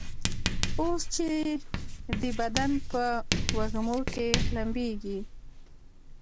اوس چي دي بدن په وږمو کي لمبیږي